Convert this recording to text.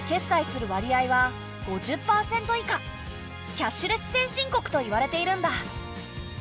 キャッシュレス先進国といわれているんだ。